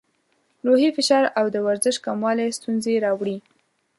روحي فشار او د ورزش کموالی ستونزې راوړي.